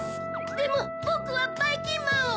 でもぼくはばいきんまんを！